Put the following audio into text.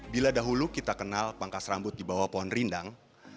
bila dahulu kita kenal pangkas rambut di bawah pohon rindang